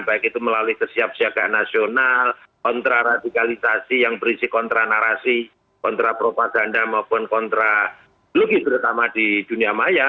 baik itu melalui kesiapsiagaan nasional kontraradikalisasi yang berisi kontra narasi kontra propaganda maupun kontra logis terutama di dunia maya